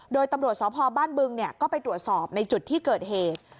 โดยตำรวจสพบ้านบึงก็ไปตรวจสอบในจุดที่เกิดเหตุ